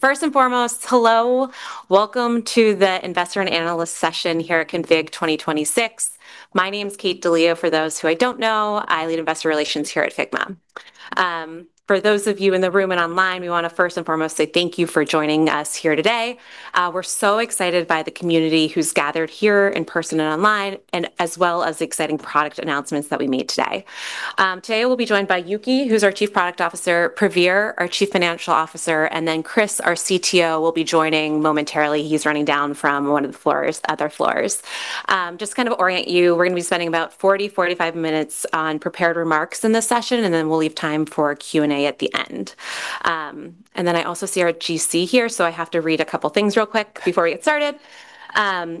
First and foremost, hello. Welcome to the Investor and Analyst session here at Config 2026. My name's Kate DeLeo, for those who I don't know. I lead investor relations here at Figma. For those of you in the room and online, we want to first and foremost say thank you for joining us here today. We're so excited by the community who's gathered here in person and online, as well as the exciting product announcements that we made today. Today we'll be joined by Yuhki, who's our Chief Product Officer, Praveer, our Chief Financial Officer, and then Kris, our CTO, will be joining momentarily. He's running down from one of the other floors. Just to orient you, we're going to be spending about 40, 45 minutes on prepared remarks in this session, and then we'll leave time for Q&A at the end. I also see our GC here, so I have to read a couple things real quick before we get started.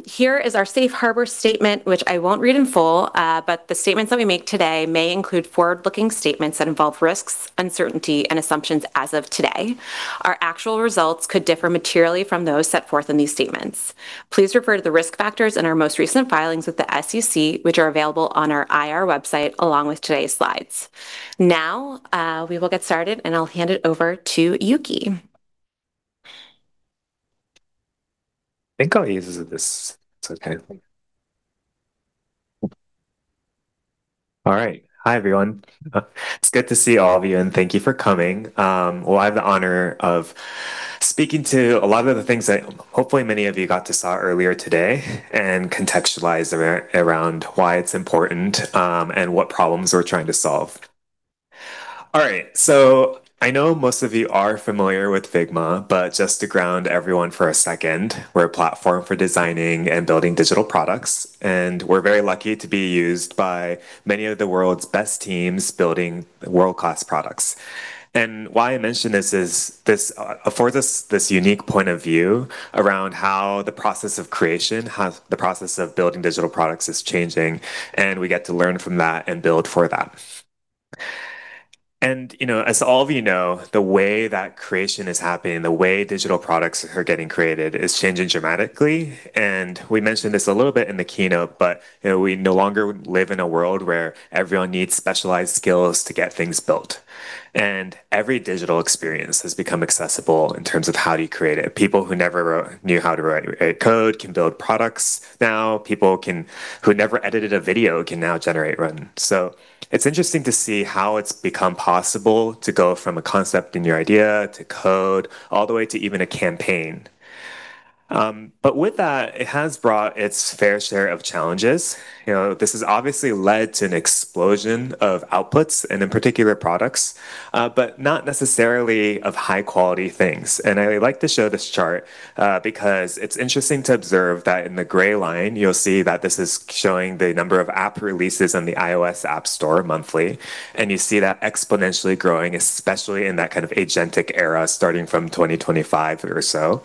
Here is our safe harbor statement, which I won't read in full, but the statements that we make today may include forward-looking statements that involve risks, uncertainty, and assumptions as of today. Our actual results could differ materially from those set forth in these statements. Please refer to the risk factors in our most recent filings with the SEC, which are available on our IR website, along with today's slides. We will get started, and I'll hand it over to Yuhki. All right. I think I'll use this. Is this okay? Hi, everyone. It's good to see all of you, and thank you for coming. Well, I have the honor of speaking to a lot of the things that hopefully many of you got to see earlier today and contextualize around why it's important and what problems we're trying to solve. All right. So I know most of you are familiar with Figma, but just to ground everyone for a second, we're a platform for designing and building digital products, and we're very lucky to be used by many of the world's best teams building world-class products. And why I mention this is, this affords us this unique point of view around how the process of creation, the process of building digital products is changing, and we get to learn from that and build for that. As all of you know, the way that creation is happening, the way digital products are getting created, is changing dramatically. We mentioned this a little bit in the keynote, but we no longer live in a world where everyone needs specialized skills to get things built. And every digital experience has become accessible in terms of how do you create it. People who never knew how to write code can build products now. People who never edited a video can now generate one. So it's interesting to see how it's become possible to go from a concept in your idea to code, all the way to even a campaign. But with that, it has brought its fair share of challenges. This has obviously led to an explosion of outputs and in particular products, but not necessarily of high quality things. I like to show this chart because it's interesting to observe that in the gray line, you'll see that this is showing the number of app releases on the iOS App Store monthly, and you see that exponentially growing, especially in that agentic era, starting from 2025 or so.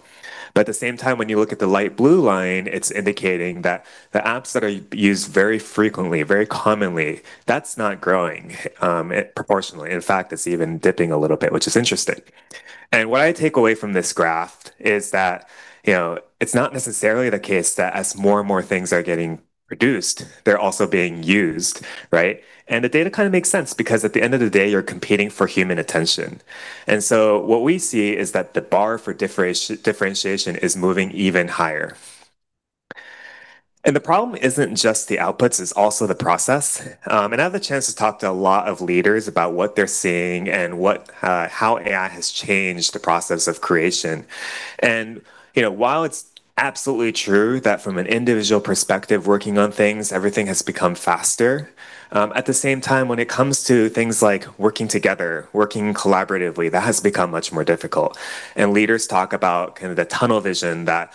At the same time, when you look at the light blue line, it's indicating that the apps that are used very frequently, very commonly, that's not growing proportionally. In fact, it's even dipping a little bit, which is interesting. What I take away from this graph is that it's not necessarily the case that as more and more things are getting produced, they're also being used, right? The data kind of makes sense because at the end of the day, you're competing for human attention. What we see is that the bar for differentiation is moving even higher. The problem isn't just the outputs, it's also the process. I have the chance to talk to a lot of leaders about what they're seeing and how AI has changed the process of creation. While it's absolutely true that from an individual perspective, working on things, everything has become faster, at the same time, when it comes to things like working together, working collaboratively, that has become much more difficult. Leaders talk about the tunnel vision that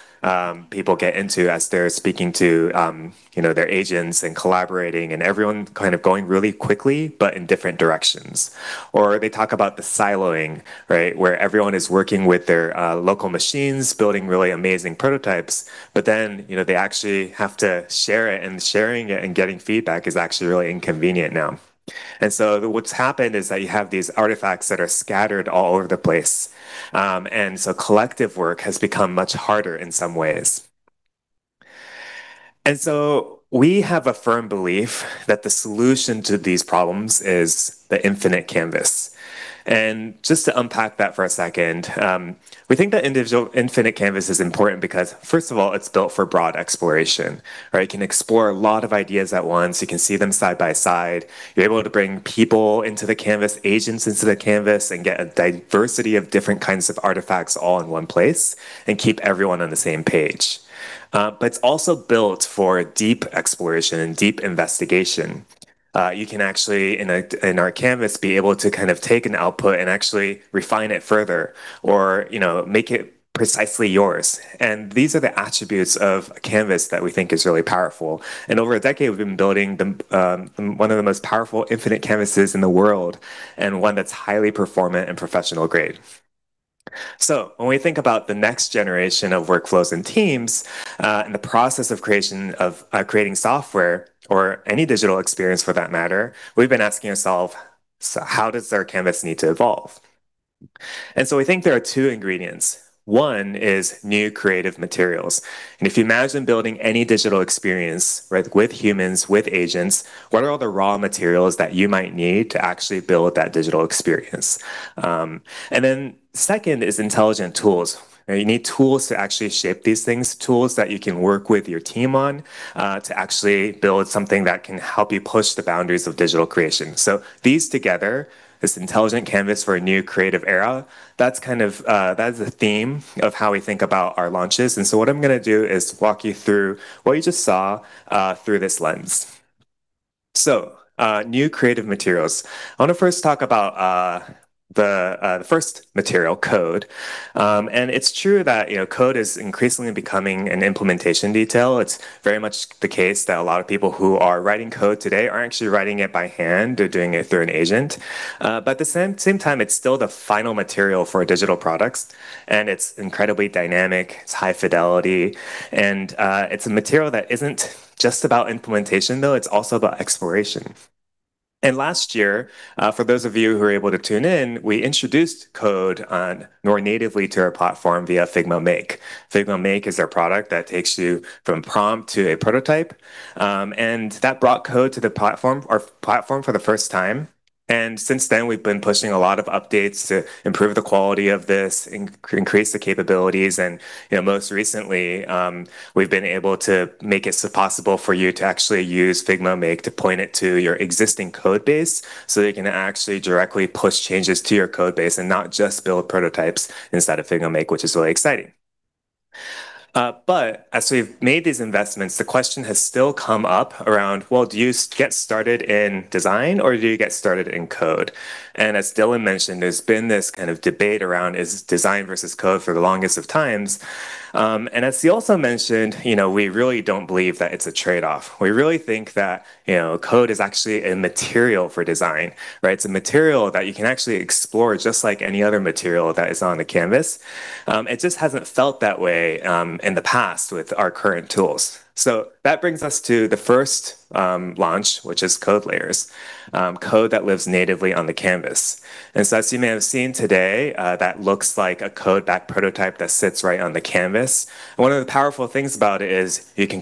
people get into as they're speaking to their agents and collaborating and everyone going really quickly, but in different directions. They talk about the siloing, right? Where everyone is working with their local machines, building really amazing prototypes, they actually have to share it, and sharing it and getting feedback is actually really inconvenient now. What's happened is that you have these artifacts that are scattered all over the place. Collective work has become much harder in some ways. We have a firm belief that the solution to these problems is the infinite canvas. Just to unpack that for a second, we think that infinite canvas is important because, first of all, it's built for broad exploration. You can explore a lot of ideas at once. You can see them side by side. You're able to bring people into the canvas, agents into the canvas, and get a diversity of different kinds of artifacts all in one place and keep everyone on the same page. It's also built for deep exploration and deep investigation. You can actually, in our canvas, be able to take an output and actually refine it further or make it precisely yours. These are the attributes of a canvas that we think is really powerful. Over a decade, we've been building one of the most powerful infinite canvases in the world, and one that's highly performant and professional grade. When we think about the next generation of workflows and teams, and the process of creating software or any digital experience for that matter, we've been asking ourselves, how does our canvas need to evolve? I think there are two ingredients. One is new creative materials. If you imagine building any digital experience with humans, with agents, what are all the raw materials that you might need to actually build that digital experience? Second is intelligent tools. You need tools to actually shape these things, tools that you can work with your team on to actually build something that can help you push the boundaries of digital creation. These together, this intelligent canvas for a new creative era, that's the theme of how we think about our launches. What I'm going to do is walk you through what you just saw through this lens. New creative materials. I want to first talk about the first material, code. It's true that code is increasingly becoming an implementation detail. It's very much the case that a lot of people who are writing code today aren't actually writing it by hand, they're doing it through an agent. At the same time, it's still the final material for digital products, it's incredibly dynamic, it's high fidelity, it's a material that isn't just about implementation though, it's also about exploration. Last year, for those of you who were able to tune in, we introduced code more natively to our platform via Figma Make. Figma Make is our product that takes you from prompt to a prototype. That brought code to our platform for the first time. Since then, we've been pushing a lot of updates to improve the quality of this, increase the capabilities, most recently, we've been able to make it so possible for you to actually use Figma Make to point it to your existing code base, you can actually directly push changes to your code base and not just build prototypes inside of Figma Make, which is really exciting. As we've made these investments, the question has still come up around, well, do you get started in design or do you get started in code? As Dylan mentioned, there's been this kind of debate around is design versus code for the longest of times. As he also mentioned, we really don't believe that it's a trade-off. We really think that code is actually a material for design. It's a material that you can actually explore just like any other material that is on the canvas. It just hasn't felt that way in the past with our current tools. That brings us to the first launch, which is Code Layers, code that lives natively on the canvas. As you may have seen today, that looks like a code back prototype that sits right on the canvas. One of the powerful things about it is you can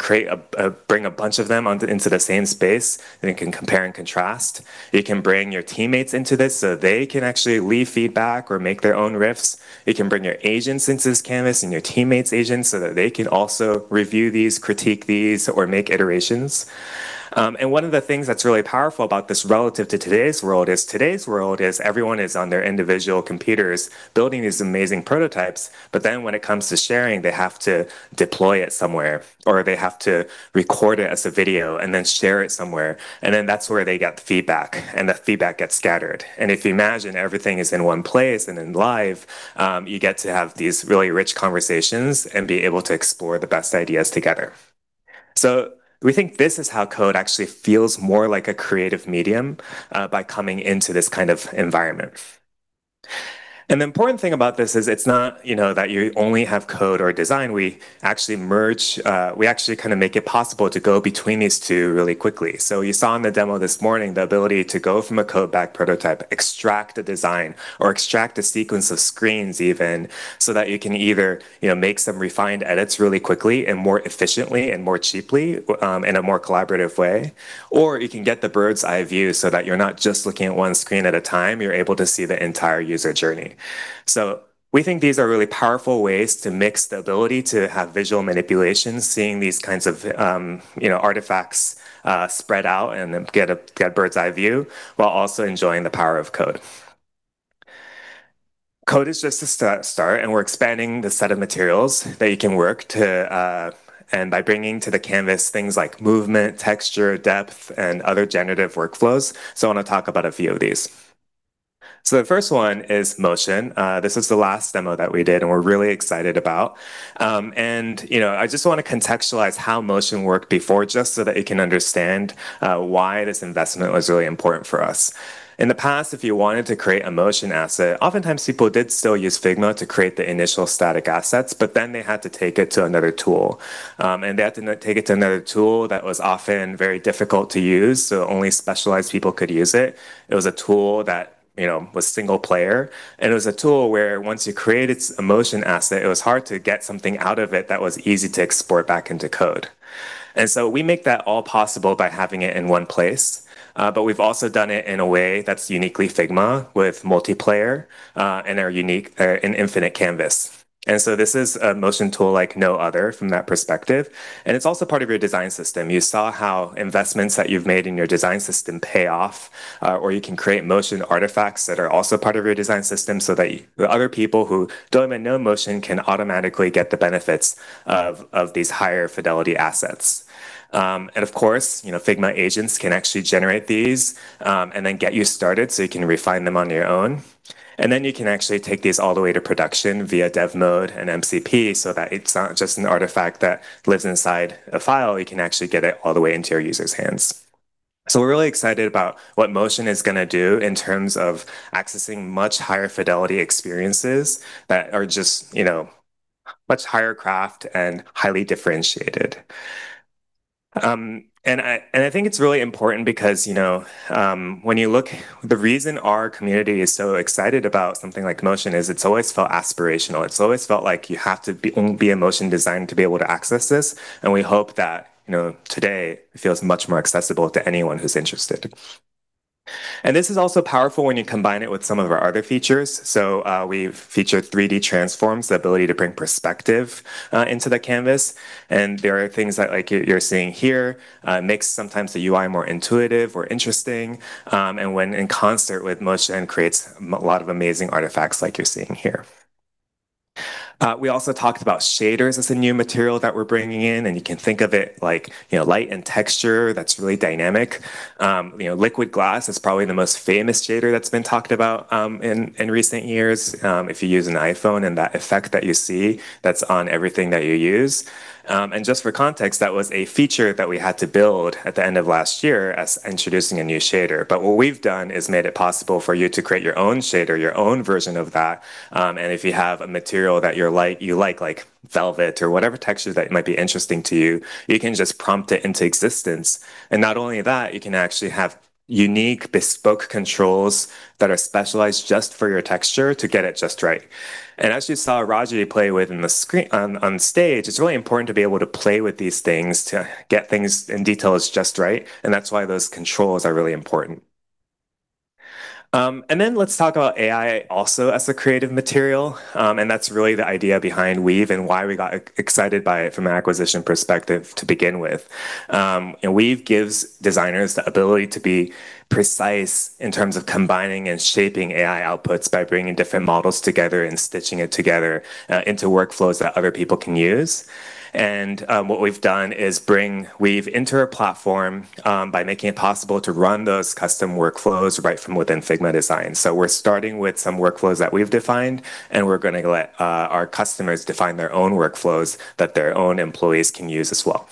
bring a bunch of them into the same space, you can compare and contrast. You can bring your teammates into this so they can actually leave feedback or make their own riffs. You can bring your agents into this canvas and your teammate's agents so that they can also review these, critique these, or make iterations. one of the things that's really powerful about this relative to today's world is today's world is everyone is on their individual computers building these amazing prototypes, when it comes to sharing, they have to deploy it somewhere, or they have to record it as a video and share it somewhere. That's where they get the feedback, and the feedback gets scattered. If you imagine everything is in one place and in live, you get to have these really rich conversations and be able to explore the best ideas together. We think this is how code actually feels more like a creative medium by coming into this kind of environment. The important thing about this is it's not that you only have code or design. We actually make it possible to go between these two really quickly. You saw in the demo this morning the ability to go from a code back prototype, extract a design, or extract a sequence of screens even, so that you can either make some refined edits really quickly and more efficiently and more cheaply, in a more collaborative way. You can get the bird's eye view so that you're not just looking at one screen at a time, you're able to see the entire user journey. We think these are really powerful ways to mix the ability to have visual manipulation, seeing these kinds of artifacts spread out and get a bird's eye view while also enjoying the power of code. Code is just a start, we're expanding the set of materials that you can work to, by bringing to the canvas things like movement, texture, depth, and other generative workflows. I want to talk about a few of these. The first one is Motion. This is the last demo that we did and we're really excited about. I just want to contextualize how Motion worked before just so that you can understand why this investment was really important for us. In the past, if you wanted to create a Motion asset, oftentimes people did still use Figma to create the initial static assets, they had to take it to another tool. They had to take it to another tool that was often very difficult to use, so only specialized people could use it. It was a tool that was single player, it was a tool where once you created a Motion asset, it was hard to get something out of it that was easy to export back into code. We make that all possible by having it in one place. We've also done it in a way that's uniquely Figma with multiplayer, our infinite canvas. This is a Motion tool like no other from that perspective, it's also part of your design system. You saw how investments that you've made in your design system pay off, you can create Motion artifacts that are also part of your design system so that the other people who don't even know Motion can automatically get the benefits of these higher fidelity assets. Of course, Figma agents can actually generate these, get you started so you can refine them on your own. You can actually take these all the way to production via Dev Mode and MCP so that it's not just an artifact that lives inside a file. You can actually get it all the way into your user's hands. We're really excited about what Motion is going to do in terms of accessing much higher fidelity experiences that are just much higher craft and highly differentiated. I think it's really important because when you look, the reason our community is so excited about something like Motion is it's always felt aspirational. It's always felt like you have to be in motion design to be able to access this. We hope that today feels much more accessible to anyone who's interested. This is also powerful when you combine it with some of our other features. We've featured 3D transforms, the ability to bring perspective into the canvas. There are things that, like you're seeing here, makes sometimes the UI more intuitive or interesting. When in concert with Motion, creates a lot of amazing artifacts like you're seeing here. We also talked about shaders as a new material that we're bringing in, and you can think of it like light and texture that's really dynamic. Liquid Glass is probably the most famous shader that's been talked about in recent years. If you use an iPhone and that effect that you see, that's on everything that you use. Just for context, that was a feature that we had to build at the end of last year as introducing a new shader. What we've done is made it possible for you to create your own shader, your own version of that. If you have a material that you like velvet or whatever texture that might be interesting to you can just prompt it into existence. Not only that, you can actually have unique bespoke controls that are specialized just for your texture to get it just right. As you saw Rogers play with on stage, it's really important to be able to play with these things to get things and details just right. That's why those controls are really important. Let's talk about AI also as a creative material. That's really the idea behind Weave and why we got excited by it from an acquisition perspective to begin with. Weave gives designers the ability to be precise in terms of combining and shaping AI outputs by bringing different models together and stitching it together into workflows that other people can use. What we've done is bring Weave into our platform by making it possible to run those custom workflows right from within Figma Design. We're starting with some workflows that we've defined, and we're going to let our customers define their own workflows that their own employees can use as well.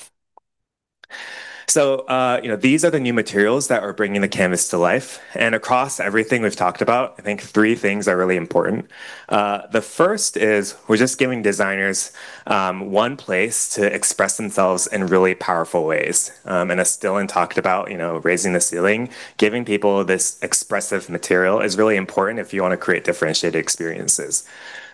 These are the new materials that are bringing the canvas to life. Across everything we've talked about, I think three things are really important. The first is we're just giving designers one place to express themselves in really powerful ways. As Dylan talked about raising the ceiling, giving people this expressive material is really important if you want to create differentiated experiences.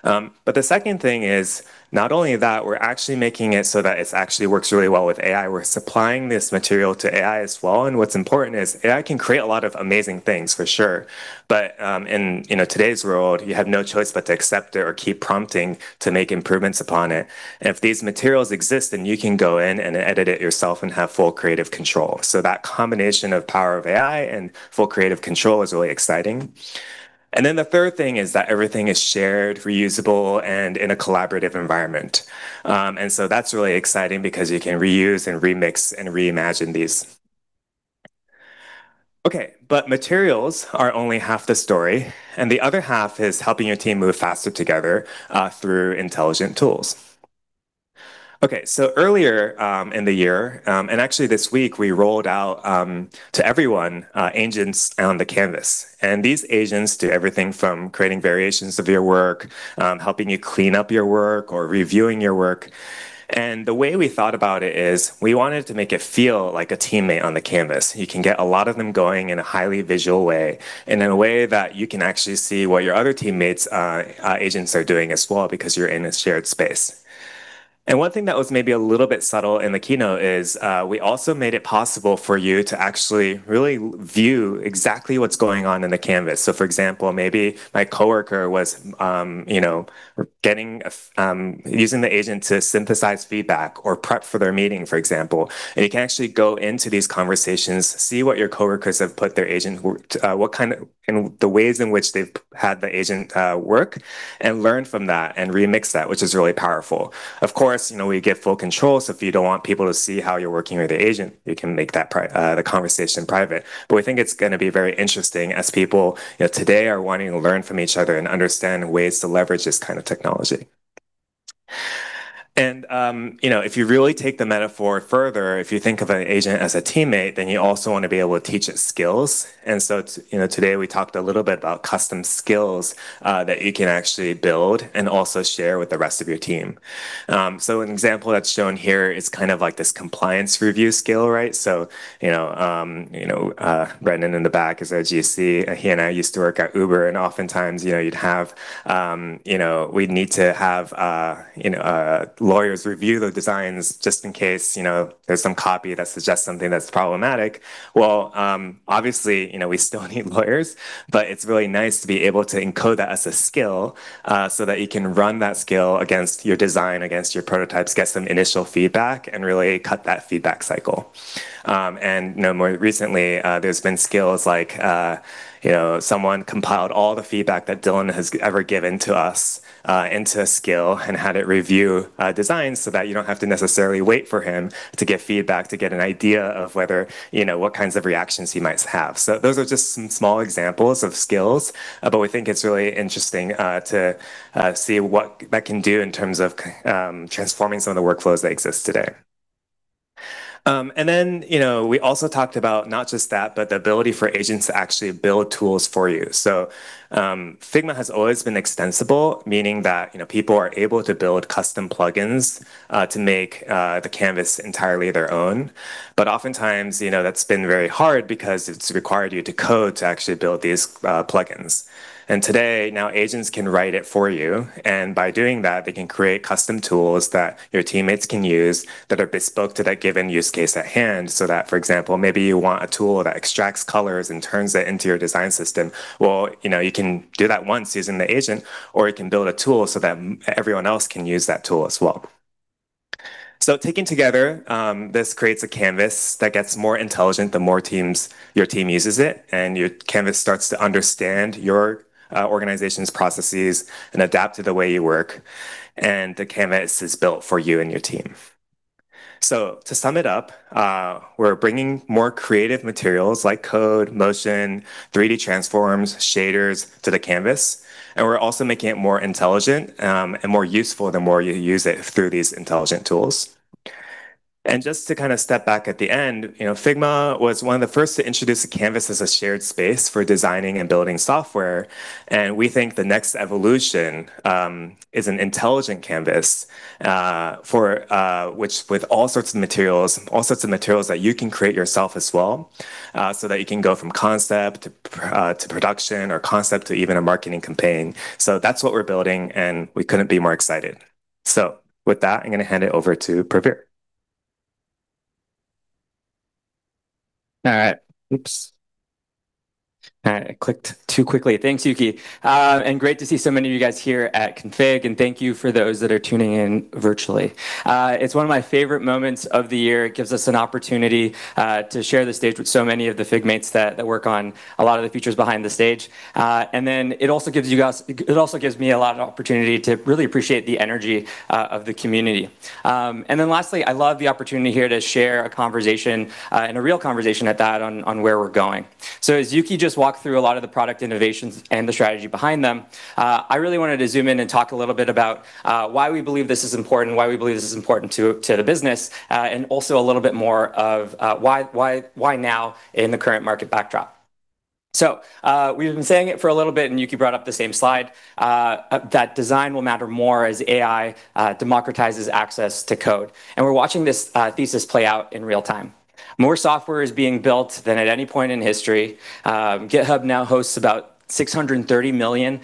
The second thing is, not only that, we're actually making it so that it actually works really well with AI. We're supplying this material to AI as well. What's important is AI can create a lot of amazing things for sure, in today's world, you have no choice but to accept it or keep prompting to make improvements upon it. If these materials exist, you can go in and edit it yourself and have full creative control. That combination of power of AI and full creative control is really exciting. The third thing is that everything is shared, reusable, and in a collaborative environment. That's really exciting because you can reuse and remix and reimagine these. Materials are only half the story, and the other half is helping your team move faster together through intelligent tools. Earlier in the year, and actually this week, we rolled out to everyone agents on the canvas. These agents do everything from creating variations of your work, helping you clean up your work or reviewing your work. The way we thought about it is we wanted to make it feel like a teammate on the canvas. You can get a lot of them going in a highly visual way and in a way that you can actually see what your other teammates agents are doing as well because you're in a shared space. One thing that was maybe a little bit subtle in the keynote is we also made it possible for you to actually really view exactly what's going on in the canvas. For example, maybe my coworker was using the agent to synthesize feedback or prep for their meeting, for example. You can actually go into these conversations, see what your coworkers have put their agent, the ways in which they've had the agent work, and learn from that and remix that, which is really powerful. Of course, we give full control, so if you don't want people to see how you're working with the agent, you can make the conversation private. We think it's going to be very interesting as people today are wanting to learn from each other and understand ways to leverage this kind of technology. If you really take the metaphor further, if you think of an agent as a teammate, then you also want to be able to teach it skills. Today we talked a little bit about custom skills that you can actually build and also share with the rest of your team. An example that's shown here is this compliance review skill, right? Brendan in the back as you see, he and I used to work at Uber and oftentimes we'd need to have lawyers review the designs just in case there's some copy that suggests something that's problematic. Well, obviously, we still need lawyers, but it's really nice to be able to encode that as a skill so that you can run that skill against your design, against your prototypes, get some initial feedback, and really cut that feedback cycle. More recently, there's been skills like someone compiled all the feedback that Dylan has ever given to us into a skill and had it review designs so that you don't have to necessarily wait for him to get feedback to get an idea of what kinds of reactions he might have. Those are just some small examples of skills. We think it's really interesting to see what that can do in terms of transforming some of the workflows that exist today. We also talked about not just that, but the ability for agents to actually build tools for you. Figma has always been extensible, meaning that people are able to build custom plugins to make the canvas entirely their own. Oftentimes that's been very hard because it's required you to code to actually build these plugins. Today now agents can write it for you, and by doing that, they can create custom tools that your teammates can use that are bespoke to that given use case at hand. That, for example, maybe you want a tool that extracts colors and turns it into your design system. Well, you can do that once using the agent, or you can build a tool so that everyone else can use that tool as well. Taken together, this creates a canvas that gets more intelligent the more your team uses it, and your canvas starts to understand your organization's processes and adapt to the way you work. The canvas is built for you and your team. To sum it up, we're bringing more creative materials like code, motion, 3D transforms, shaders to the canvas, and we're also making it more intelligent, and more useful the more you use it through these intelligent tools. Just to step back at the end, Figma was one of the first to introduce a canvas as a shared space for designing and building software. We think the next evolution is an intelligent canvas with all sorts of materials that you can create yourself as well, so that you can go from concept to production or concept to even a marketing campaign. That's what we're building, and we couldn't be more excited. With that, I'm going to hand it over to Praveer. All right. Oops. All right. I clicked too quickly. Thanks, Yuhki. Great to see so many of you guys here at Config, and thank you for those that are tuning in virtually. It's one of my favorite moments of the year. It gives us an opportunity to share the stage with so many of the Figmates that work on a lot of the features behind the stage. It also gives me a lot of opportunity to really appreciate the energy of the community. Lastly, I love the opportunity here to share a conversation, and a real conversation at that, on where we're going. As Yuhki just walked through a lot of the product innovations and the strategy behind them, I really wanted to zoom in and talk a little bit about why we believe this is important, why we believe this is important to the business, and also a little bit more of why now in the current market backdrop. We've been saying it for a little bit, and Yuhki brought up the same slide, that design will matter more as AI democratizes access to code. We're watching this thesis play out in real time. More software is being built than at any point in history. GitHub now hosts about 630 million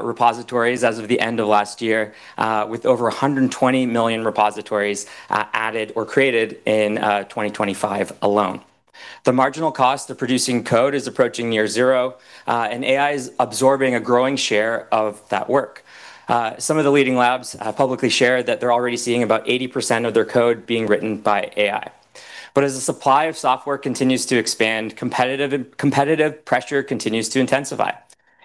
repositories as of the end of last year with over 120 million repositories added or created in 2025 alone. The marginal cost of producing code is approaching near zero, and AI is absorbing a growing share of that work. Some of the leading labs publicly share that they're already seeing about 80% of their code being written by AI. As the supply of software continues to expand, competitive pressure continues to intensify.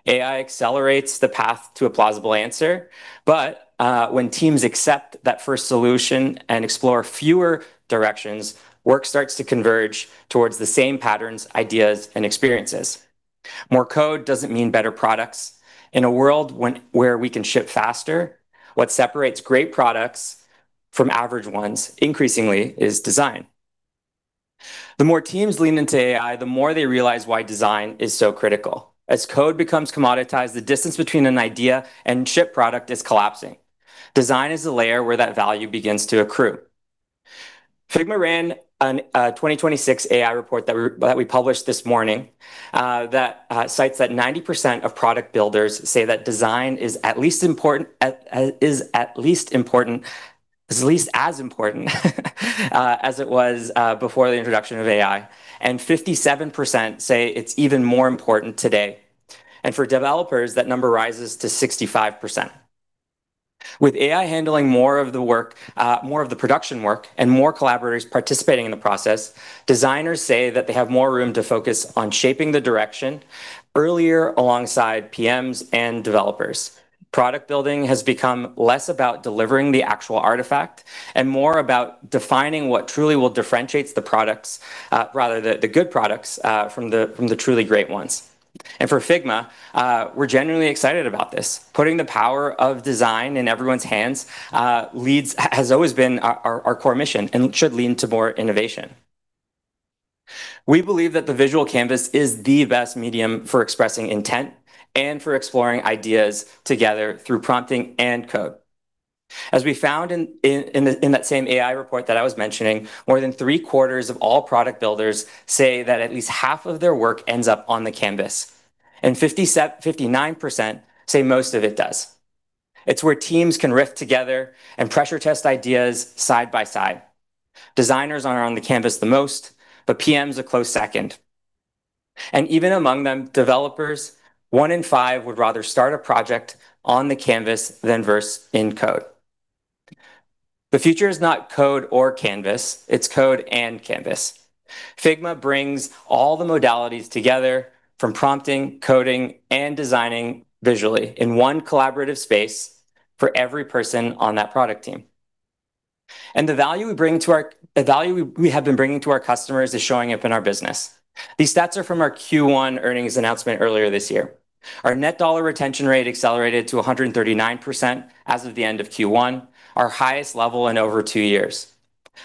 AI accelerates the path to a plausible answer, but when teams accept that first solution and explore fewer directions, work starts to converge towards the same patterns, ideas, and experiences. More code doesn't mean better products. In a world where we can ship faster, what separates great products from average ones, increasingly, is design. The more teams lean into AI, the more they realize why Design is so critical. As code becomes commoditized, the distance between an idea and shipped product is collapsing. Design is the layer where that value begins to accrue. Figma ran a 2026 AI report that we published this morning that cites that 90% of product builders say that Design is at least as important as it was before the introduction of AI, and 57% say it's even more important today. For developers, that number rises to 65%. With AI handling more of the production work and more collaborators participating in the process, designers say that they have more room to focus on shaping the direction earlier alongside PMs and developers. Product building has become less about delivering the actual artifact and more about defining what truly will differentiate the good products from the truly great ones. For Figma, we're genuinely excited about this. Putting the power of design in everyone's hands has always been our core mission and should lead to more innovation. We believe that the visual canvas is the best medium for expressing intent and for exploring ideas together through prompting and code. As we found in that same AI report that I was mentioning, more than 3/4 of all product builders say that at least half of their work ends up on the canvas, and 59% say most of it does. It's where teams can riff together and pressure test ideas side by side. Designers are on the canvas the most, but PMs are a close second. Even among them developers, one in five would rather start a project on the canvas than versus in code. The future is not code or canvas, it's code and canvas. Figma brings all the modalities together from prompting, coding, and designing visually in one collaborative space for every person on that product team. The value we have been bringing to our customers is showing up in our business. These stats are from our Q1 earnings announcement earlier this year. Our net dollar retention rate accelerated to 139% as of the end of Q1, our highest level in over two years.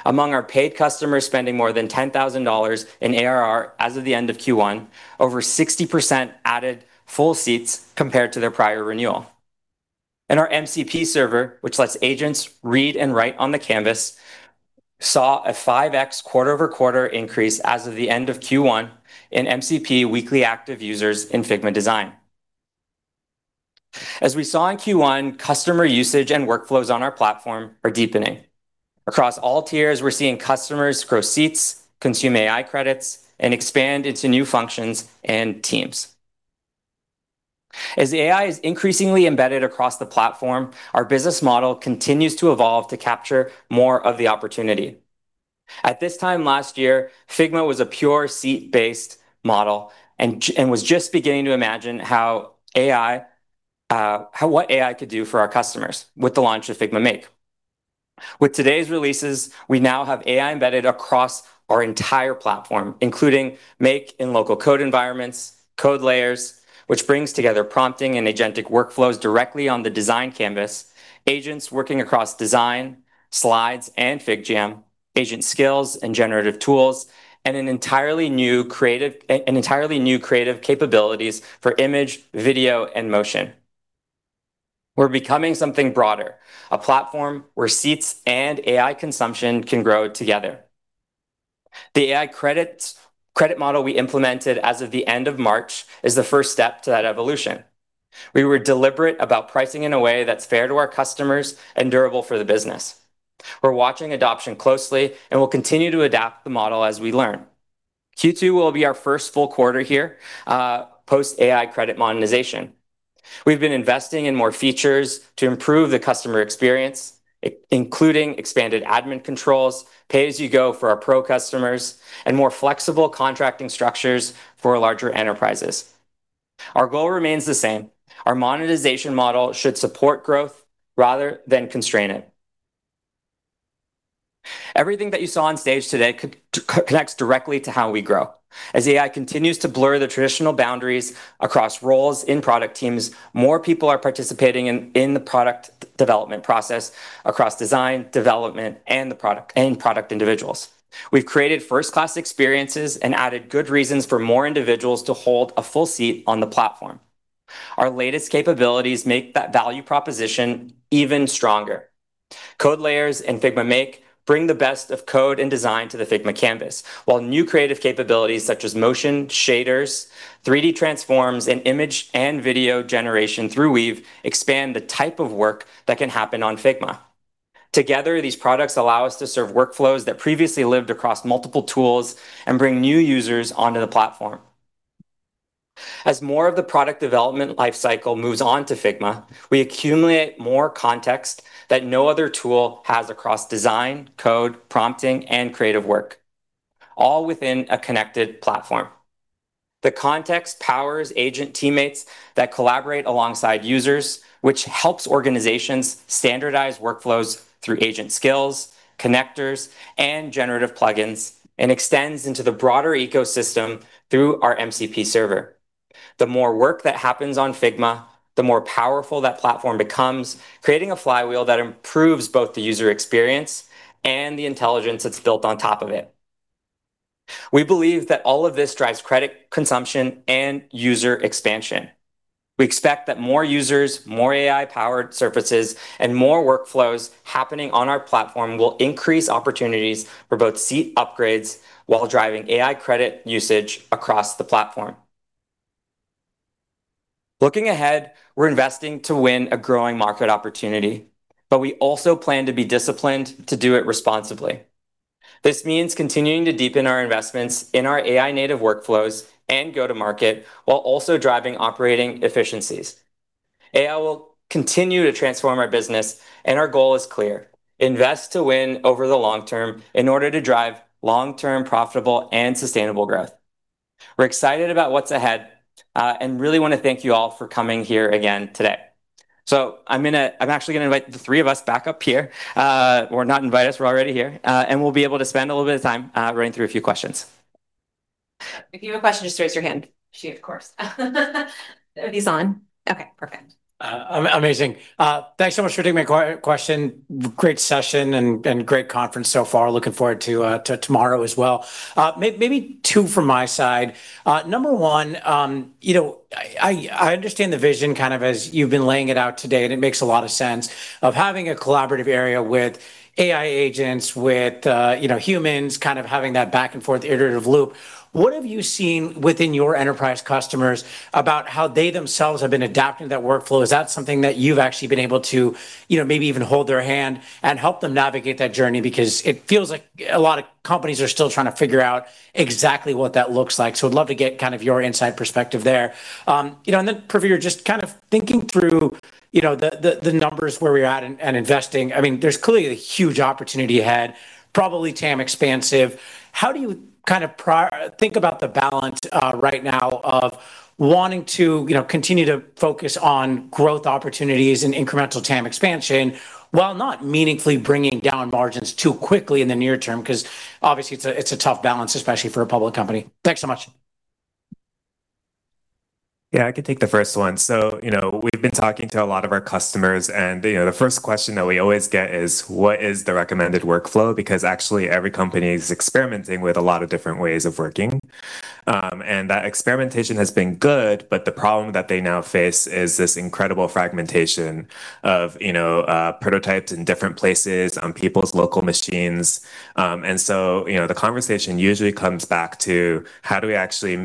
Among our paid customers spending more than $10,000 in ARR as of the end of Q1, over 60% added full seats compared to their prior renewal. Our MCP server, which lets agents read and write on the canvas, saw a 5x quarter-over-quarter increase as of the end of Q1 in MCP weekly active users in Figma Design. As we saw in Q1, customer usage and workflows on our platform are deepening. Across all tiers, we're seeing customers grow seats, consume AI credits, and expand into new functions and teams. As AI is increasingly embedded across the platform, our business model continues to evolve to capture more of the opportunity. At this time last year, Figma was a pure seat-based model and was just beginning to imagine what AI could do for our customers with the launch of Figma Make. With today's releases, we now have AI embedded across our entire platform, including Make and local code environments, Code Layers, which brings together prompting and agentic workflows directly on the design canvas, agents working across Design, Slides, and FigJam, agent skills and generative tools, and entirely new creative capabilities for image, video, and Motion. We're becoming something broader, a platform where seats and AI consumption can grow together. The AI credit model we implemented as of the end of March is the first step to that evolution. We were deliberate about pricing in a way that's fair to our customers and durable for the business. We're watching adoption closely, and we'll continue to adapt the model as we learn. Q2 will be our first full quarter here, post AI credit monetization. We've been investing in more features to improve the customer experience, including expanded admin controls, pay-as-you-go for our Pro customers, and more flexible contracting structures for larger enterprises. Our goal remains the same. Our monetization model should support growth rather than constrain it. Everything that you saw on stage today connects directly to how we grow. As AI continues to blur the traditional boundaries across roles in product teams, more people are participating in the product development process across design, development, and product individuals. We've created first-class experiences and added good reasons for more individuals to hold a full seat on the platform. Our latest capabilities make that value proposition even stronger. Code Layers in Figma Make bring the best of code and design to the Figma canvas, while new creative capabilities such as Motion, shaders, 3D transforms, and image and video generation through Weave expand the type of work that can happen on Figma. Together, these products allow us to serve workflows that previously lived across multiple tools and bring new users onto the platform. As more of the product development life cycle moves on to Figma, we accumulate more context that no other tool has across design, code, prompting, and creative work, all within a connected platform. The context powers agent teammates that collaborate alongside users, which helps organizations standardize workflows through agent skills, connectors, and generative plugins, and extends into the broader ecosystem through our MCP server. The more work that happens on Figma, the more powerful that platform becomes, creating a flywheel that improves both the user experience and the intelligence that's built on top of it. We believe that all of this drives credit consumption and user expansion. We expect that more users, more AI-powered surfaces, and more workflows happening on our platform will increase opportunities for both seat upgrades while driving AI credit usage across the platform. Looking ahead, we're investing to win a growing market opportunity, but we also plan to be disciplined to do it responsibly. This means continuing to deepen our investments in our AI-native workflows and go to market while also driving operating efficiencies. AI will continue to transform our business and our goal is clear: Invest to win over the long term in order to drive long-term profitable and sustainable growth. We're excited about what's ahead and really want to thank you all for coming here again today. I'm actually going to invite the three of us back up here. Not invite us, we're already here, and we'll be able to spend a little bit of time running through a few questions. If you have a question, just raise your hand. She, of course. Are these on? Okay, perfect. Amazing. Thanks so much for taking my question. Great session and great conference so far. Looking forward to tomorrow as well. Maybe two from my side. Number one, I understand the vision as you've been laying it out today, and it makes a lot of sense, of having a collaborative area with AI agents, with humans, having that back and forth iterative loop. What have you seen within your enterprise customers about how they themselves have been adapting to that workflow? Is that something that you've actually been able to maybe even hold their hand and help them navigate that journey? Because it feels like a lot of companies are still trying to figure out exactly what that looks like. I'd love to get your inside perspective there. Praveer, just thinking through the numbers where we're at and investing, there's clearly a huge opportunity ahead, probably TAM expansive. How do you think about the balance right now of wanting to continue to focus on growth opportunities and incremental TAM expansion, while not meaningfully bringing down margins too quickly in the near term? Because obviously it's a tough balance, especially for a public company. Thanks so much. Yeah, I can take the first one. We've been talking to a lot of our customers, and the first question that we always get is: what is the recommended workflow? Actually every company is experimenting with a lot of different ways of working. That experimentation has been good, but the problem that they now face is this incredible fragmentation of prototypes in different places on people's local machines. The conversation usually comes back to how do we actually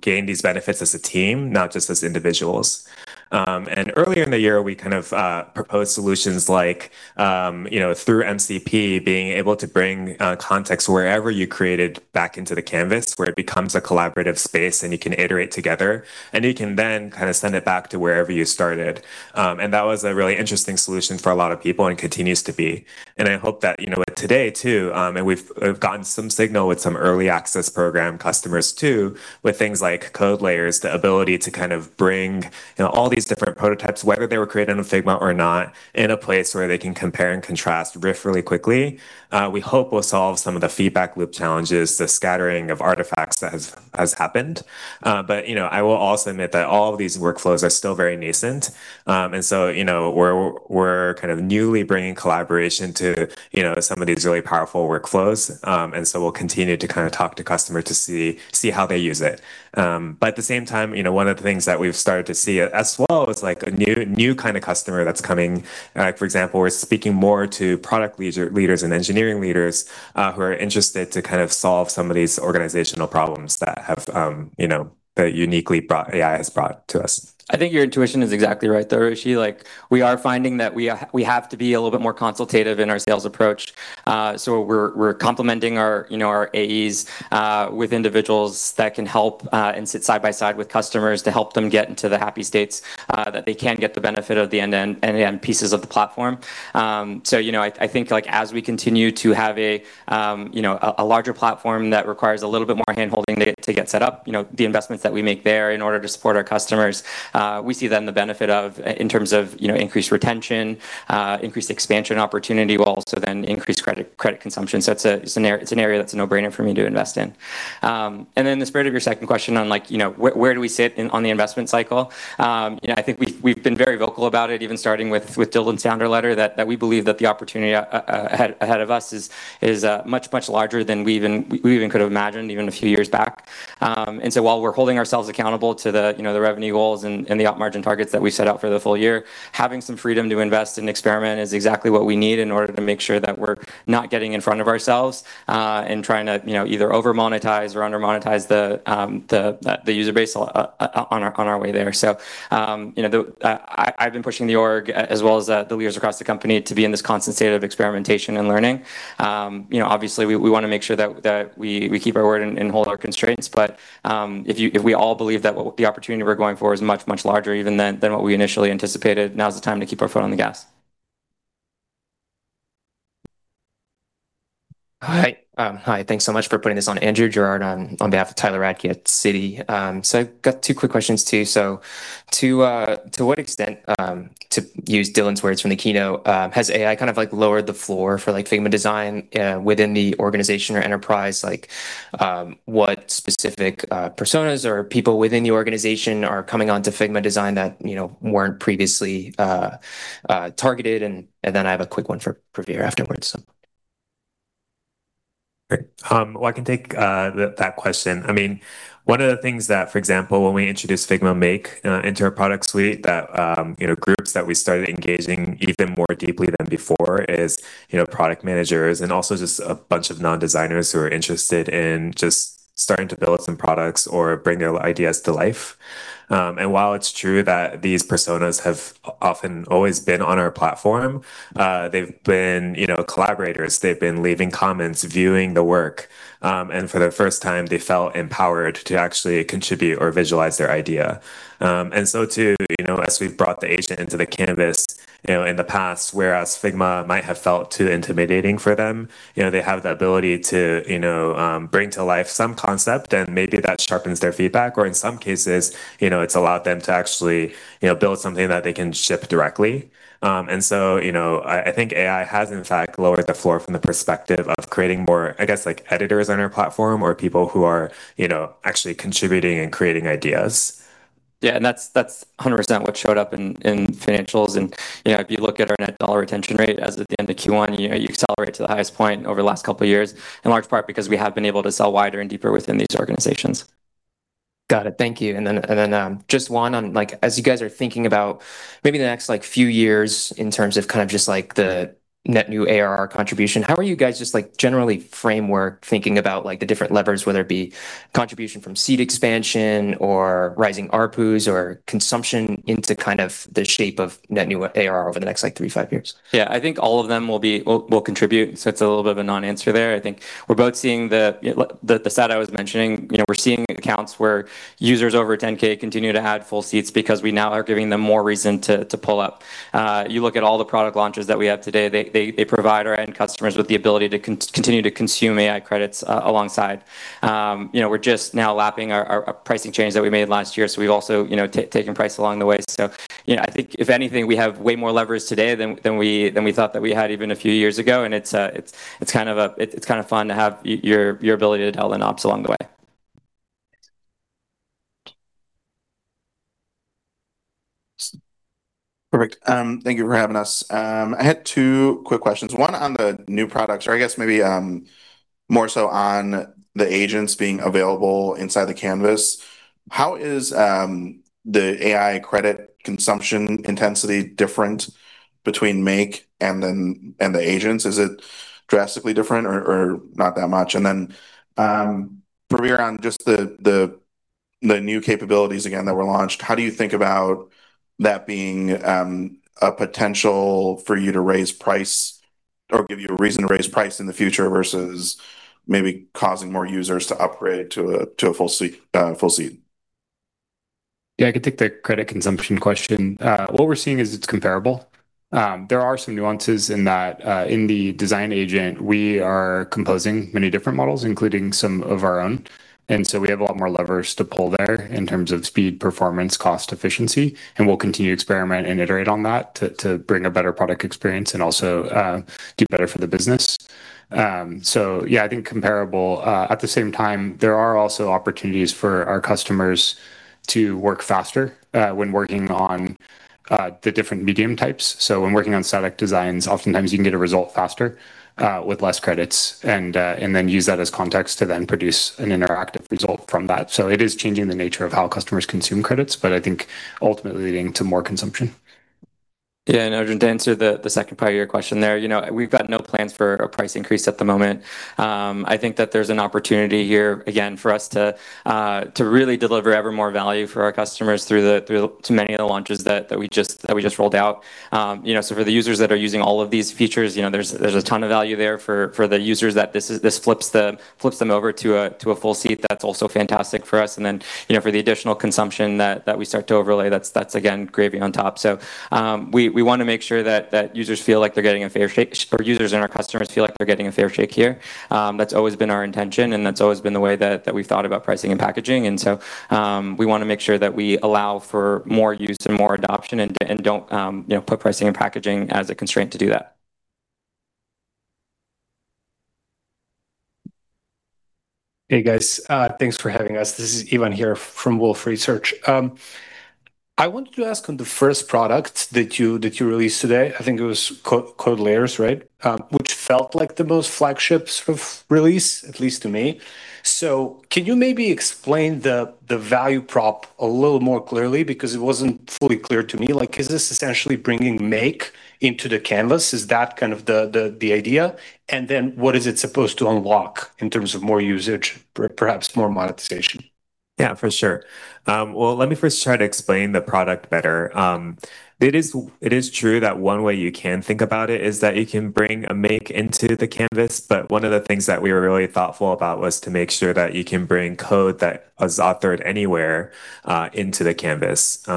gain these benefits as a team, not just as individuals. Earlier in the year, we proposed solutions like, through MCP, being able to bring context wherever you created back into the canvas, where it becomes a collaborative space and you can iterate together, and you can then send it back to wherever you started. That was a really interesting solution for a lot of people and continues to be. I hope that with today too, and we've gotten some signal with some early access program customers too, with things like Code Layers, the ability to bring all these different prototypes, whether they were created in Figma or not, in a place where they can compare and contrast really quickly. We hope we'll solve some of the feedback loop challenges, the scattering of artifacts that has happened. I will also admit that all of these workflows are still very nascent. We're newly bringing collaboration to some of these really powerful workflows. We'll continue to talk to customer to see how they use it. At the same time, one of the things that we've started to see as well is a new kind of customer that's coming. For example, we're speaking more to product leaders and engineering leaders, who are interested to solve some of these organizational problems that uniquely AI has brought to us. I think your intuition is exactly right though, Rishi. We are finding that we have to be a little bit more consultative in our sales approach. We're complementing our AEs with individuals that can help, and sit side by side with customers to help them get into the happy states, that they can get the benefit of the end-to-end pieces of the platform. I think as we continue to have a larger platform that requires a little bit more handholding to get set up, the investments that we make there in order to support our customers, we see then the benefit in terms of increased retention, increased expansion opportunity will also then increase credit consumption. It's an area that's a no-brainer for me to invest in. The spirit of your second question on where do we sit on the investment cycle. I think we've been very vocal about it, even starting with Dylan's founder letter, that we believe that the opportunity ahead of us is much, much larger than we even could've imagined even a few years back. While we're holding ourselves accountable to the revenue goals and the op margin targets that we set out for the full year, having some freedom to invest and experiment is exactly what we need in order to make sure that we're not getting in front of ourselves, and trying to either over-monetize or under-monetize the user base on our way there. I've been pushing the org as well as the leaders across the company to be in this constant state of experimentation and learning. Obviously we want to make sure that we keep our word and hold our constraints, if we all believe that the opportunity we're going for is much, much larger even than what we initially anticipated, now's the time to keep our foot on the gas. Hi. Thanks so much for putting this on. Andrew Girard on behalf of Tyler Radke at Citi. I've got two quick questions too. To what extent, to use Dylan's words from the keynote, has AI lowered the floor for Figma Design within the organization or enterprise? What specific personas or people within the organization are coming onto Figma Design that weren't previously targeted? I have a quick one for Praveer afterwards. Great. Well, I can take that question. One of the things that, for example, when we introduced Figma Make into our product suite, that groups that we started engaging even more deeply than before is product managers and also just a bunch of non-designers who are interested in just starting to build some products or bring their ideas to life. While it's true that these personas have often always been on our platform, they've been collaborators, they've been leaving comments, viewing the work. For the first time, they felt empowered to actually contribute or visualize their idea. Too, as we've brought the agent into the canvas in the past, whereas Figma might have felt too intimidating for them, they have the ability to bring to life some concept and maybe that sharpens their feedback, or in some cases, it's allowed them to actually build something that they can ship directly. I think AI has in fact lowered the floor from the perspective of creating more, I guess editors on our platform or people who are actually contributing and creating ideas. Yeah. That's 100% what showed up in financials and if you look at our net dollar retention rate as at the end of Q1, you accelerate to the highest point over the last couple of years, in large part because we have been able to sell wider and deeper within these organizations. Got it. Thank you. Then, just one on as you guys are thinking about maybe the next few years in terms of just the net new ARR contribution, how are you guys just generally framework thinking about the different levers, whether it be contribution from seat expansion or rising ARPUs or consumption into the shape of net new ARR over the next three to five years? Yeah, I think all of them will contribute. It's a little bit of a non-answer there. I think we're both seeing the stat I was mentioning. We're seeing accounts where users over 10,000 continue to add full seats because we now are giving them more reason to pull up. You look at all the product launches that we have today, they provide our end customers with the ability to continue to consume AI credits alongside. We're just now lapping our pricing change that we made last year. We've also taken price along the way. I think if anything, we have way more levers today than we thought that we had even a few years ago. It's kind of fun to have your ability to tell the ops along the way. Perfect. Thank you for having us. I had two quick questions, one on the new products, or I guess maybe more so on the agents being available inside the canvas. How is the AI credit consumption intensity different between Make and the agents? Is it drastically different or not that much? Praveer, on just the new capabilities, again, that were launched, how do you think about that being a potential for you to raise price or give you a reason to raise price in the future versus maybe causing more users to upgrade to a full seat? Yeah, I can take the credit consumption question. What we're seeing is it's comparable. There are some nuances in that in the design agent, we are composing many different models, including some of our own. We have a lot more levers to pull there in terms of speed, performance, cost, efficiency, and we'll continue to experiment and iterate on that to bring a better product experience and also do better for the business. Yeah, I think comparable. At the same time, there are also opportunities for our customers to work faster when working on the different medium types. When working on static designs, oftentimes you can get a result faster with less credits and then use that as context to then produce an interactive result from that. It is changing the nature of how customers consume credits, but I think ultimately leading to more consumption. Yeah, Arjun, to answer the second part of your question there, we've got no plans for a price increase at the moment. I think that there's an opportunity here, again, for us to really deliver ever more value for our customers through to many of the launches that we just rolled out. For the users that are using all of these features, there's a ton of value there for the users that this flips them over to a full seat, that's also fantastic for us. For the additional consumption that we start to overlay, that's again gravy on top. We want to make sure that users feel like they're getting a fair shake, or users and our customers feel like they're getting a fair shake here. That's always been our intention, and that's always been the way that we've thought about pricing and packaging. We want to make sure that we allow for more use and more adoption and don't put pricing and packaging as a constraint to do that. Hey, guys. Thanks for having us. This is Ivan here from Wolfe Research. I wanted to ask on the first product that you released today, I think it was Code Layers, right? Which felt like the most flagship sort of release, at least to me. Can you maybe explain the value prop a little more clearly because it wasn't fully clear to me. Is this essentially bringing Make into the canvas? Is that kind of the idea? What is it supposed to unlock in terms of more usage, perhaps more monetization? Yeah, for sure. Well, let me first try to explain the product better. It is true that one way you can think about it is that you can bring a Make into the canvas, one of the things that we were really thoughtful about was to make sure that you can bring code that was authored anywhere, into the canvas. We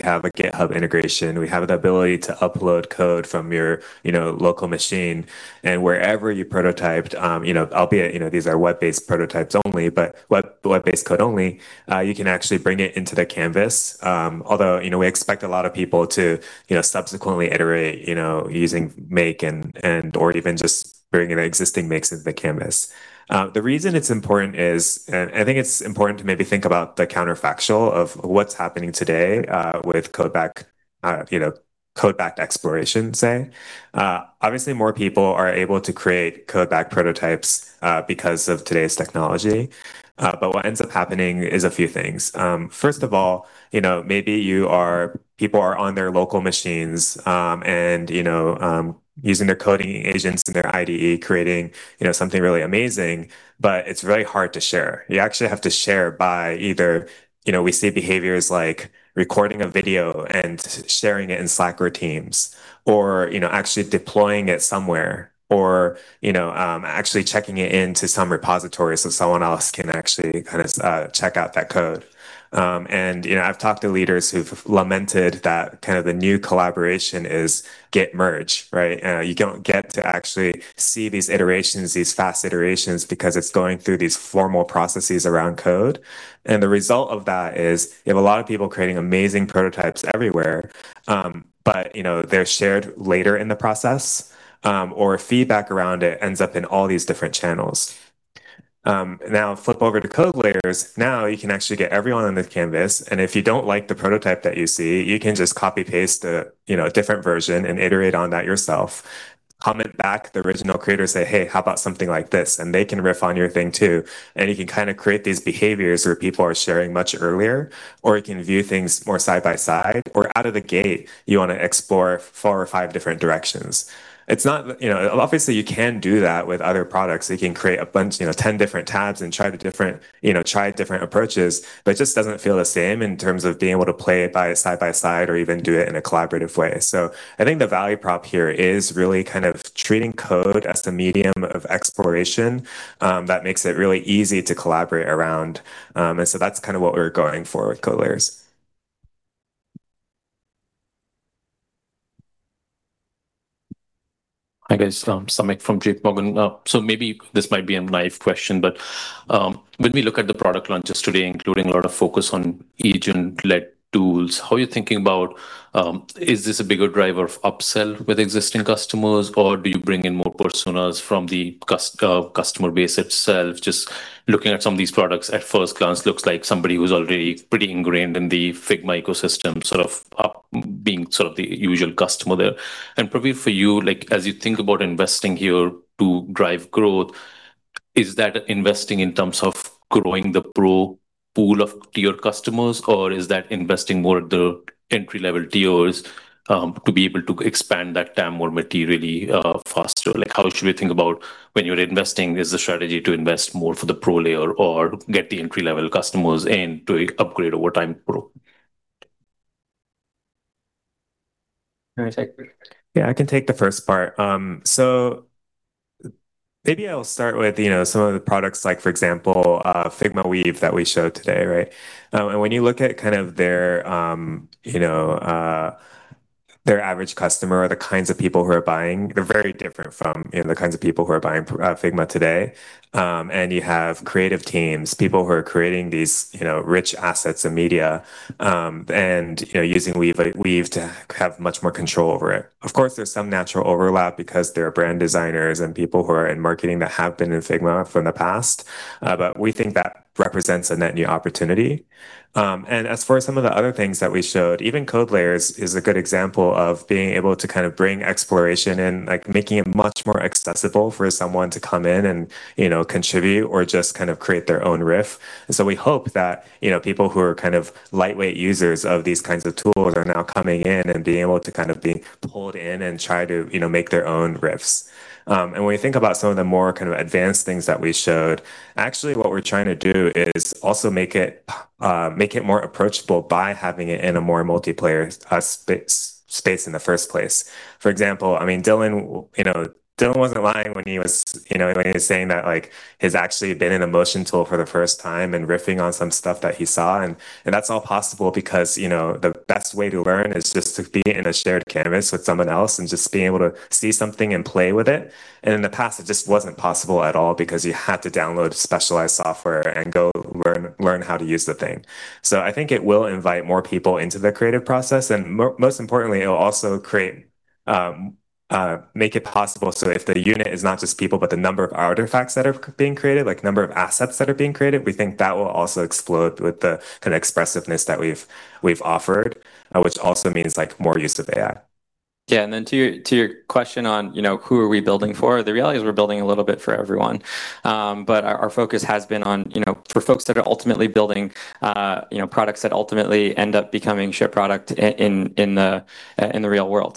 have a GitHub integration. We have the ability to upload code from your local machine and wherever you prototyped, albeit these are web-based prototypes only, web-based code only, you can actually bring it into the canvas. We expect a lot of people to subsequently iterate using Make or even just bring in existing Makes into the canvas. The reason it's important is, I think it's important to maybe think about the counterfactual of what's happening today, with code-backed exploration, say. Obviously, more people are able to create code-backed prototypes because of today's technology. What ends up happening is a few things. First of all, maybe people are on their local machines, using their coding agents and their IDE, creating something really amazing, it's very hard to share. You actually have to share by either, we see behaviors like recording a video and sharing it in Slack or Teams, actually deploying it somewhere, actually checking it into some repository so someone else can actually check out that code. I've talked to leaders who've lamented that the new collaboration is Git merge, right? You don't get to actually see these iterations, these fast iterations, because it's going through these formal processes around code. The result of that is you have a lot of people creating amazing prototypes everywhere, but they're shared later in the process, or feedback around it ends up in all these different channels. Flip over to Code Layers. You can actually get everyone on the canvas, and if you don't like the prototype that you see, you can just copy-paste a different version and iterate on that yourself. Comment back, the original creator say, "Hey, how about something like this?" They can riff on your thing too. You can create these behaviors where people are sharing much earlier, or you can view things more side by side, or out of the gate you want to explore four or five different directions. Obviously you can do that with other products. You can create a bunch, 10 different tabs and try different approaches, it just doesn't feel the same in terms of being able to play it by side by side or even do it in a collaborative way. I think the value prop here is really treating code as the medium of exploration, that makes it really easy to collaborate around. That's what we're going for with Code Layers. Hi guys, Samik from JPMorgan. Maybe this might be a naive question, but, when we look at the product launches today, including a lot of focus on agent-led tools, how are you thinking about, is this a bigger driver of upsell with existing customers, or do you bring in more personas from the customer base itself? Just looking at some of these products at first glance, looks like somebody who's already pretty ingrained in the Figma ecosystem sort of up being sort of the usual customer there. Praveer for you, as you think about investing here to drive growth, is that investing in terms of growing the pro pool of tier customers, or is that investing more at the entry-level tiers to be able to expand that TAM more materially faster? How should we think about when you're investing, is the strategy to invest more for the pro layer or get the entry-level customers in to upgrade over time pro? Yeah, I can take the first part. Maybe I'll start with some of the products like, for example, Figma Weave that we showed today. When you look at their average customer or the kinds of people who are buying, they're very different from the kinds of people who are buying Figma today. You have creative teams, people who are creating these rich assets in media, and using Weave to have much more control over it. Of course, there's some natural overlap because there are brand designers and people who are in marketing that have been in Figma from the past. We think that represents a net new opportunity. As for some of the other things that we showed, even Code Layers is a good example of being able to bring exploration in, making it much more accessible for someone to come in and contribute or just create their own riff. We hope that people who are lightweight users of these kinds of tools are now coming in and being able to be pulled in and try to make their own riffs. When you think about some of the more advanced things that we showed, actually what we're trying to do is also make it more approachable by having it in a more multiplayer space in the first place. For example, Dylan wasn't lying when he was saying that he's actually been in a Motion tool for the first time and riffing on some stuff that he saw. That's all possible because the best way to learn is just to be in a shared canvas with someone else and just being able to see something and play with it. In the past, it just wasn't possible at all because you had to download specialized software and go learn how to use the thing. I think it will invite more people into the creative process. Most importantly, it will also make it possible so if the unit is not just people, but the number of artifacts that are being created, number of assets that are being created, we think that will also explode with the expressiveness that we've offered which also means more use of AI. Yeah, to your question on who are we building for, the reality is we're building a little bit for everyone. Our focus has been on for folks that are ultimately building products that ultimately end up becoming ship product in the real world.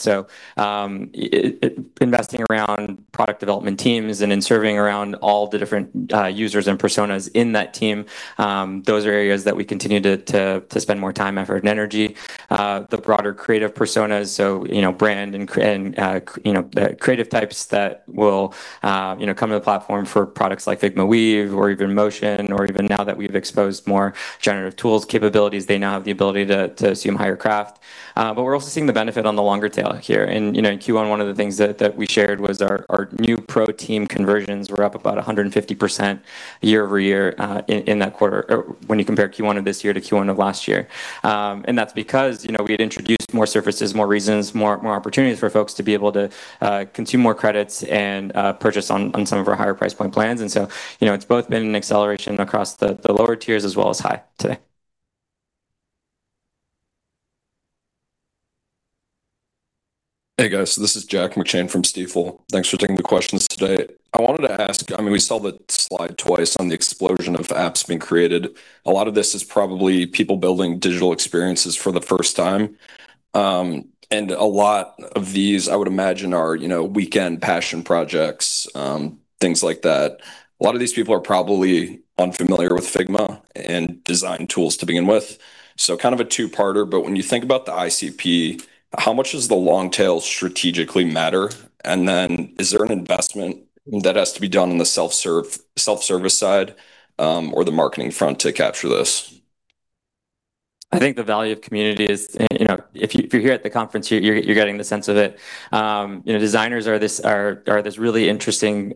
Investing around product development teams and in serving around all the different users and personas in that team, those are areas that we continue to spend more time, effort, and energy. The broader creative personas, so brand and creative types that will come to the platform for products like Figma Weave or even Motion, or even now that we've exposed more generative tools capabilities, they now have the ability to assume higher craft. We're also seeing the benefit on the longer tail here. In Q1, one of the things that we shared was our new pro team conversions were up about 150% year-over-year in that quarter when you compare Q1 of this year to Q1 of last year. That's because we had introduced more services, more reasons, more opportunities for folks to be able to consume more credits and purchase on some of our higher price point plans. It's both been an acceleration across the lower tiers as well as high today. Hey, guys. This is Jack McShane from Stifel. Thanks for taking the questions today. I wanted to ask, we saw the slide twice on the explosion of apps being created. A lot of this is probably people building digital experiences for the first time. A lot of these, I would imagine, are weekend passion projects, things like that. A lot of these people are probably unfamiliar with Figma and design tools to begin with. Kind of a two-parter, but when you think about the ICP, how much does the long tail strategically matter? Then is there an investment that has to be done on the self-service side or the marketing front to capture this? I think the value of community is, if you're here at the conference, you're getting the sense of it. It's a really interesting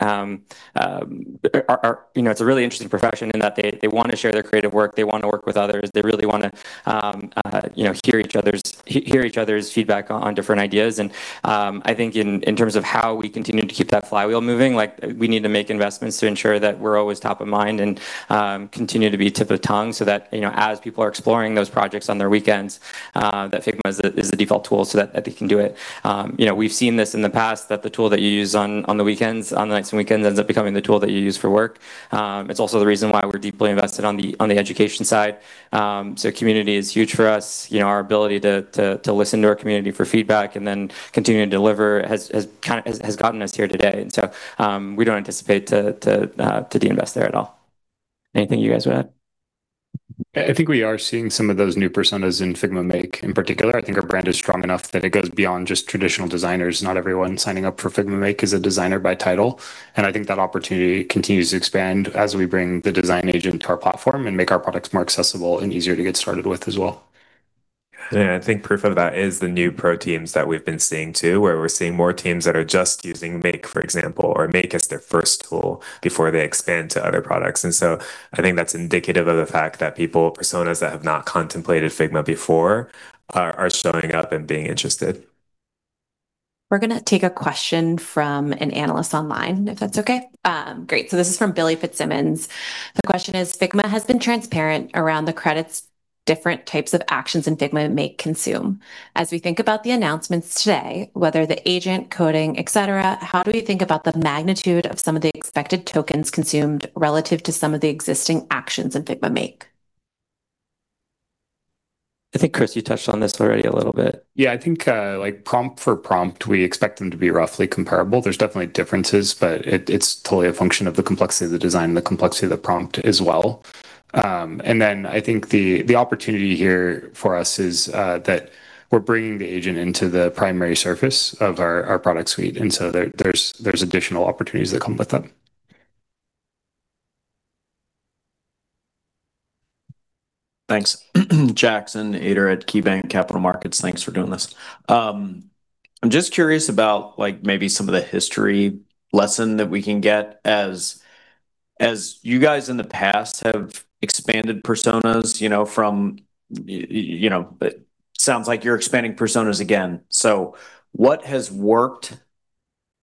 profession in that they want to share their creative work. They want to work with others. They really want to hear each other's feedback on different ideas. I think in terms of how we continue to keep that flywheel moving, we need to make investments to ensure that we're always top of mind and continue to be tip of tongue so that as people are exploring those projects on their weekends, that Figma is the default tool so that they can do it. We've seen this in the past, that the tool that you use on the weekends, on the next weekends, ends up becoming the tool that you use for work. It's also the reason why we're deeply invested on the education side. Community is huge for us. Our ability to listen to our community for feedback and then continue to deliver has gotten us here today. We don't anticipate to de-invest there at all. Anything you guys want to add? I think we are seeing some of those new personas in Figma Make, in particular. I think our brand is strong enough that it goes beyond just traditional designers. Not everyone signing up for Figma Make is a designer by title, I think that opportunity continues to expand as we bring the design agent to our platform and make our products more accessible and easier to get started with as well. Yeah, I think proof of that is the new pro teams that we've been seeing too, where we're seeing more teams that are just using Make, for example, or Make as their first tool before they expand to other products. I think that's indicative of the fact that people, personas that have not contemplated Figma before are showing up and being interested. We're going to take a question from an analyst online, if that's okay. Great. This is from Billy Fitzsimmons. The question is, "Figma has been transparent around the credits different types of actions in Figma Make consume. As we think about the announcements today, whether the agent coding, et cetera, how do we think about the magnitude of some of the expected tokens consumed relative to some of the existing actions in Figma Make? I think, Kris, you touched on this already a little bit. Yeah, I think like prompt for prompt, we expect them to be roughly comparable. There's definitely differences, but it's totally a function of the complexity of the design and the complexity of the prompt as well. Then I think the opportunity here for us is that we're bringing the agent into the primary surface of our product suite, there's additional opportunities that come with that. Thanks. Jackson Ader at KeyBanc Capital Markets. Thanks for doing this. I'm just curious about maybe some of the history lesson that we can get as you guys in the past have expanded personas from. It sounds like you're expanding personas again. What has worked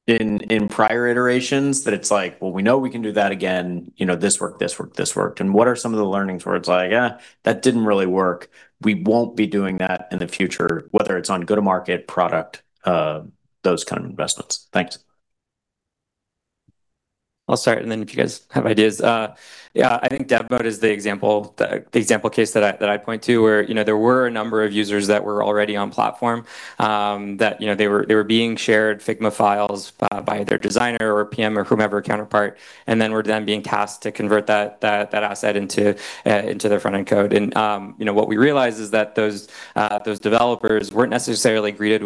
in prior iterations that it's like, "Well, we know we can do that again, this worked, this worked, this worked." What are some of the learnings where it's like, "Eh, that didn't really work. We won't be doing that in the future," whether it's on go-to-market product, those kind of investments. Thanks. I'll start, and then if you guys have ideas. Yeah, I think Dev Mode is the example case that I point to where there were a number of users that were already on platform, that they were being shared Figma files by their designer or PM or whomever counterpart, and then were then being tasked to convert that asset into their front-end code. What we realized is that those developers weren't necessarily greeted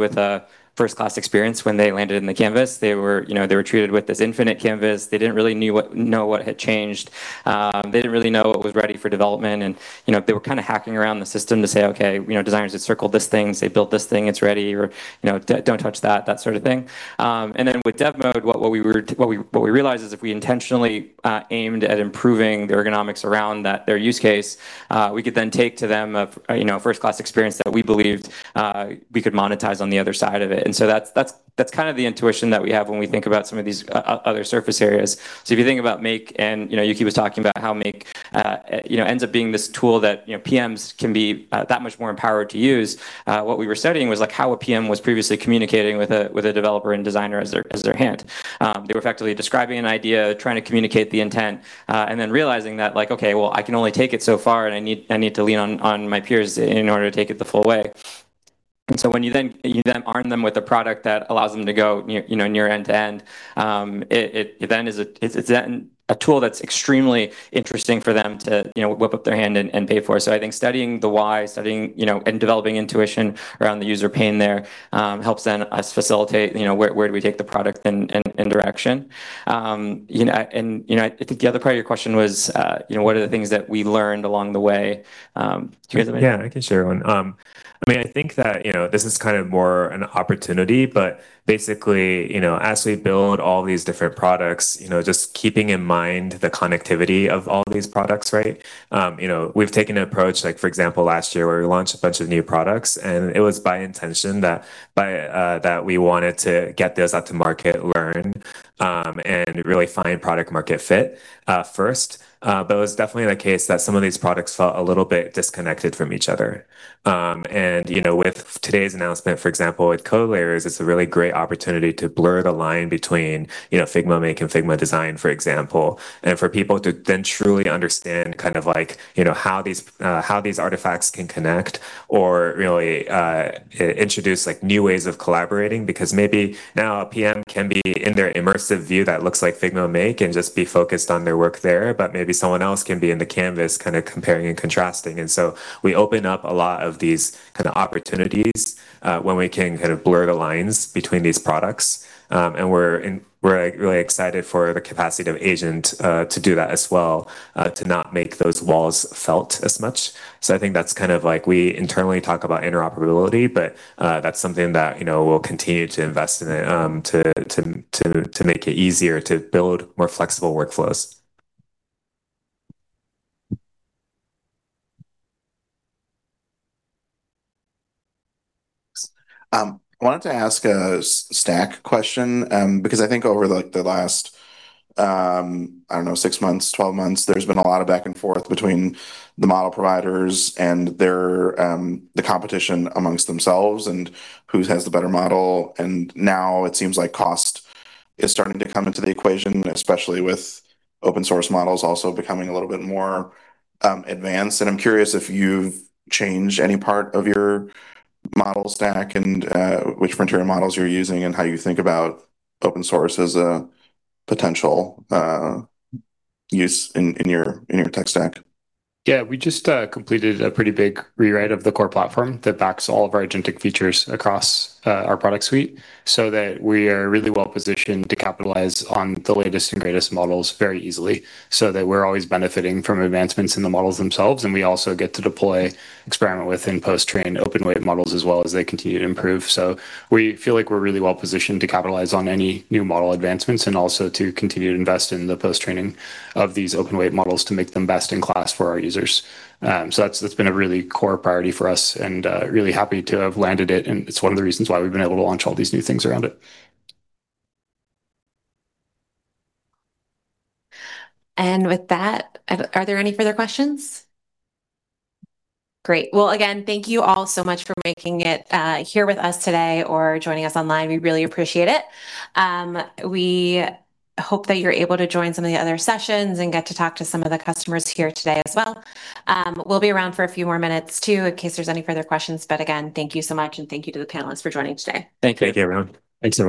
with a first-class experience when they landed in the canvas. They were treated with this infinite canvas. They didn't really know what had changed. They didn't really know what was ready for development, and they were hacking around the system to say, "Okay, designers have circled this thing, so they built this thing, it's ready," or, "Don't touch that," that sort of thing. With Dev Mode, what we realized is if we intentionally aimed at improving the ergonomics around their use case, we could then take to them a first-class experience that we believed we could monetize on the other side of it. That's kind of the intuition that we have when we think about some of these other surface areas. If you think about Make, Yuhki was talking about how Make ends up being this tool that PMs can be that much more empowered to use. What we were studying was how a PM was previously communicating with a developer and designer as their hand. They were effectively describing an idea, trying to communicate the intent, and then realizing that, like, "Okay, well, I can only take it so far, and I need to lean on my peers in order to take it the full way." When you then arm them with a product that allows them to go near end to end, it then is a tool that's extremely interesting for them to whip up their hand and pay for. I think studying the why, studying and developing intuition around the user pain there helps then us facilitate where do we take the product and direction. I think the other part of your question was, what are the things that we learned along the way? Do you guys have anything? I can share one. I think that this is more an opportunity. As we build all these different products, just keeping in mind the connectivity of all these products. We've taken an approach, like for example, last year where we launched a bunch of new products, and it was by intention that we wanted to get those out to market, learn, and really find product market fit first. It was definitely the case that some of these products felt a little bit disconnected from each other. With today's announcement, for example, with Code Layers, it's a really great opportunity to blur the line between Figma Make and Figma Design, for example. For people to truly understand how these artifacts can connect or really introduce new ways of collaborating. Maybe now a PM can be in their immersive view that looks like Figma Make and just be focused on their work there, but maybe someone else can be in the canvas comparing and contrasting. We open up a lot of these opportunities when we can blur the lines between these products, and we're really excited for the capacity of Agent to do that as well, to not make those walls felt as much. I think that's we internally talk about interoperability, that's something that we'll continue to invest in to make it easier to build more flexible workflows. Thanks. I wanted to ask a stack question. I think over the last, I don't know, six months, 12 months, there's been a lot of back and forth between the model providers and the competition amongst themselves and who has the better model. Now it seems like cost is starting to come into the equation, especially with open source models also becoming a little bit more advanced. I'm curious if you've changed any part of your model stack and which frontier models you're using and how you think about open source as a potential use in your tech stack. Yeah. We just completed a pretty big rewrite of the core platform that backs all of our agentic features across our product suite so that we are really well positioned to capitalize on the latest and greatest models very easily, so that we're always benefiting from advancements in the models themselves. We also get to deploy, experiment with, and post-train open weight models as well as they continue to improve. We feel like we're really well positioned to capitalize on any new model advancements and also to continue to invest in the post-training of these open weight models to make them best in class for our users. That's been a really core priority for us, really happy to have landed it, and it's one of the reasons why we've been able to launch all these new things around it. With that, are there any further questions? Great. Again, thank you all so much for making it here with us today or joining us online. We really appreciate it. We hope that you're able to join some of the other sessions and get to talk to some of the customers here today as well. We'll be around for a few more minutes too in case there's any further questions. Again, thank you so much, and thank you to the panelists for joining today. Thank you. Thank you, everyone. Thanks, everyone.